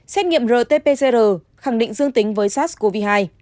xét nghiệm rt pcr khẳng định dương tính với sars cov hai